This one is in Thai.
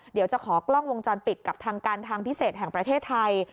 เดี๋ยวจะขอกล้องวงจรปิดกับทางการทางพิเศษแห่งประเทศไทย